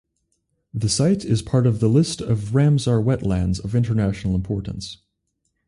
The site is part of the List of Ramsar wetlands of international importance.